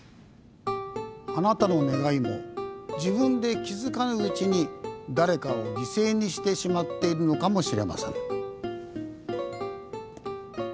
あなたの願いも自分で気付かぬうちに誰かを犠牲にしてしまっているのかもしれません。